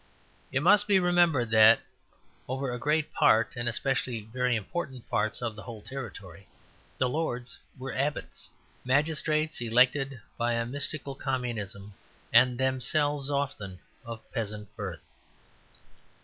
It must be remembered that over a great part, and especially very important parts, of the whole territory, the lords were abbots, magistrates elected by a mystical communism and themselves often of peasant birth.